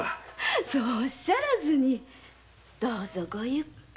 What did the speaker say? そうおっしゃらずにどうぞごゆっくり。